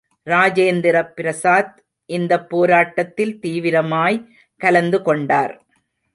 ராஜேந்திர பிரசாத் இந்தப் போராட்டத்தில் தீவிரமாய் கலந்து கொண்டார்.